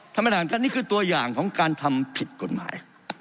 ท่านประธานครับนี่คือตัวอย่างของการทำผิดกฎหมาย